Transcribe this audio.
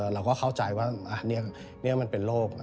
เราก็เข้าใจว่านี่มันเป็นโรค